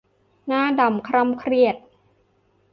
หน้าดำคร่ำเครียด